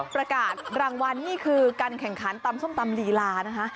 ประกาศรางวัลนี่คือการแข่งขันตำส้มตำลีลานะคะ